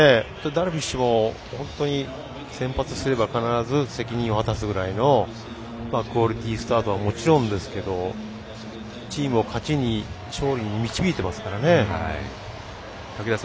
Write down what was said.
ダルビッシュも本当に先発すれば必ず責任を果たすくらいのクオリティースタートはもちろんですけどチームを勝ちに勝利に導いていますから。